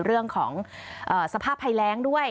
เรื่องของสภาพภัยแรงด้วย